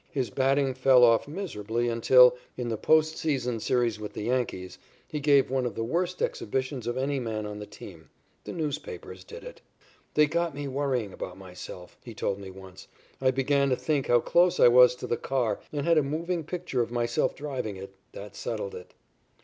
His batting fell off miserably until, in the post season series with the Yankees, he gave one of the worst exhibitions of any man on the team. The newspapers did it. "They got me worrying about myself," he told me once. "I began to think how close I was to the car and had a moving picture of myself driving it. That settled it."